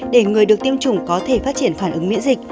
để người được tiêm chủng có thể phát triển phản ứng miễn dịch